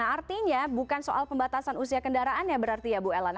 artinya bukan soal pembatasan usia kendaraan ya berarti ya bu ellen